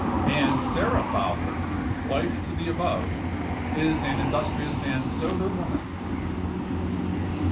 And Sarah Fowler, wife to the above, is an industrious and sober woman.